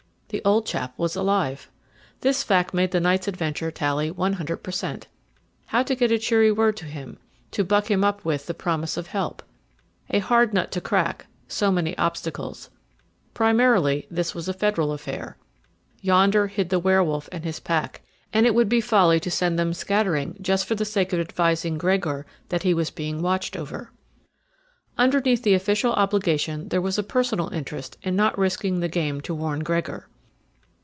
The old chap was alive! This fact made the night's adventure tally one hundred per cent. How to get a cheery word to him, to buck him up with, the promise of help? A hard nut to crack; so many obstacles. Primarily, this was a Federal affair. Yonder hid the werewolf and his pack, and it would be folly to send them scattering just for the sake of advising Gregor that he was being watched over. Underneath the official obligation there was a personal interest in not risking the game to warn Gregor.